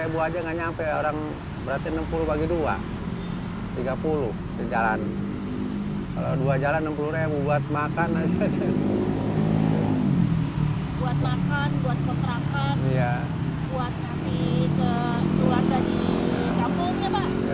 buat makan buat kontrakan buat kami ke luar dari kampung ya pak